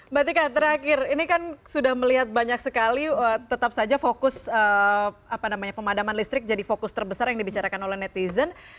mbak tika terakhir ini kan sudah melihat banyak sekali tetap saja fokus pemadaman listrik jadi fokus terbesar yang dibicarakan oleh netizen